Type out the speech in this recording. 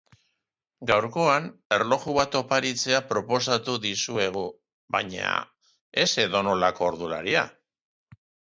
Gaurkoan, erloju bat oparitzea proposatuko dizuegu, baina, ez edonolako ordularia.